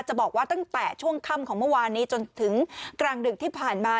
บอกว่าตั้งแต่ช่วงค่ำของเมื่อวานนี้จนถึงกลางดึกที่ผ่านมา